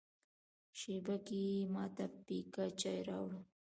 شېبه کې یې ما ته پیکه چای راوړ.